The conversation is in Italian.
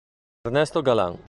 Ernesto Galán